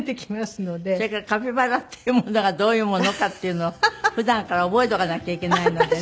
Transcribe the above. それからカピバラっていうものがどういうものかっていうのを普段から覚えておかなきゃいけないのでね。